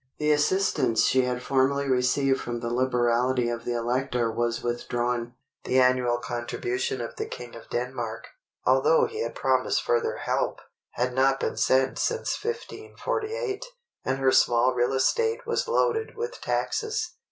The assistance she had formerly received from the liberality of the Elector was withdrawn; the annual contribution of the King of Denmark—although he had promised further help—had not been sent since 1548, and her small real estate was loaded with taxes.